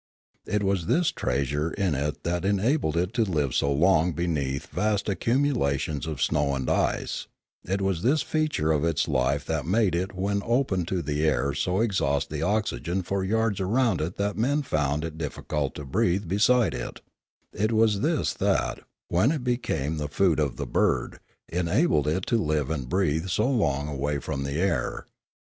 It was this treasure in it that enabled it to live so long be neath vast accumulations of snow and ice; it was this Discoveries 325 feature of its life that made it when open to the air so exhaust the oxygen for yards around it that men found it difficult to breathe beside it; it was this that, when it became the food of the bird, enabled it to live and breathe so long away from the air.